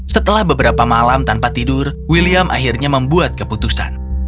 setelah beberapa malam tanpa tidur william akhirnya membuat keputusan